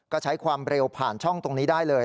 ก็ใช้ความเร็วผ่านช่องตรงนี้ได้เลย